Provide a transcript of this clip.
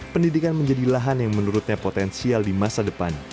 pendidikan menjadi lahan yang menurutnya potensial di masa depan